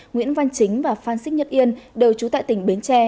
nguyễn văn chính và phan xích nhất yên đều trú tại tỉnh bến tre